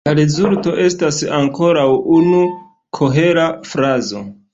La rezulto estas ankoraŭ unu kohera frazo.